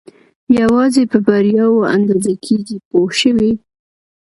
یوازې په بریاوو اندازه کېږي پوه شوې!.